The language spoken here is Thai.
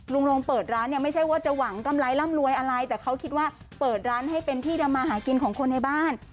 ลงเปิดร้านเนี่ยไม่ใช่ว่าจะหวังกำไรร่ำรวยอะไรแต่เขาคิดว่าเปิดร้านให้เป็นที่ทำมาหากินของคนในบ้าน